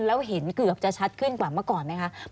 แล้วเห็นเกือบจะชัดขึ้นกว่าเมื่อก่อนไหมคะ